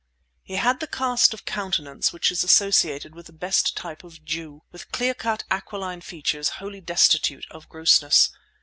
He had the cast of countenance which is associated with the best type of Jew, with clear cut aquiline features wholly destitute of grossness.